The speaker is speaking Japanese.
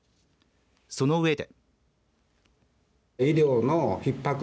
その上で。